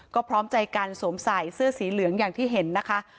ก็พร้อมใจกันสวมใส่เสื้อสีเหลืองอย่างที่เห็นนะคะ